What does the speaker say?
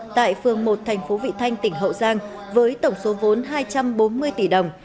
tại phường một thành phố vị thanh tỉnh hậu giang với tổng số vốn hai trăm bốn mươi tỷ đồng